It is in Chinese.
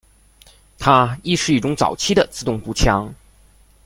它亦是一种早期的自动步枪。